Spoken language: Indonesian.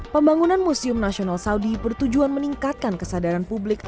pembangunan museum nasional saudi bertujuan meningkatkan kesadaran publik